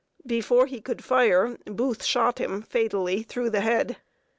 Before he could fire, Booth shot him fatally through the head.